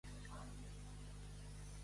Llampa per Toix, aigua segura.